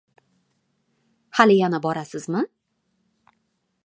Hali yana borasizmi?